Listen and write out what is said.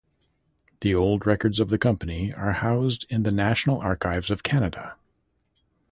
The old records of the company are housed in the National Archives of Canada.